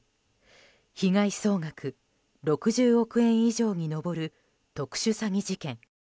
被害総額６０億円以上に上る特殊詐欺事件。